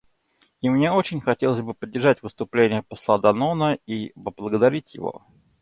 И мне очень хотелось бы поддержать выступление посла Данона и поблагодарить его.